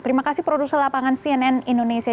terima kasih produser lapangan cnn indonesia